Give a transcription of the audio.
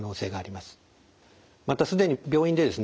また既に病院でですね